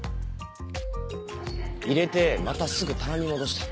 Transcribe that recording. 入れてまたすぐ棚に戻した？